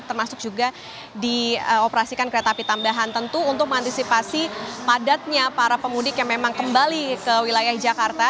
termasuk juga dioperasikan kereta api tambahan tentu untuk mengantisipasi padatnya para pemudik yang memang kembali ke wilayah jakarta